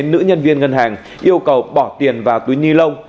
nữ nhân viên ngân hàng yêu cầu bỏ tiền vào túi ni lông